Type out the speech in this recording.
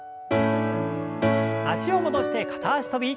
脚を戻して片脚跳び。